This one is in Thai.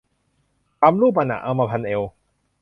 ขำรูปมันอะ เอามาพันเอว